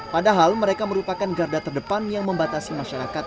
padahal mereka merupakan garda terdepan yang membatasi masyarakat